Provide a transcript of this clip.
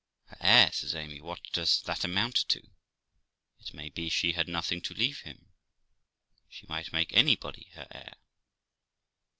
'Her heir!' says Amy. 'What does that amount to? It may be she had nothing to leave him; she might make anybody her heir.'